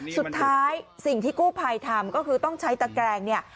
สิ่งที่กู้ภัยทำก็คือต้องใช้ตะแกรงเนี่ย